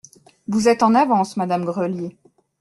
Vous êtes en avance, madame Grelier.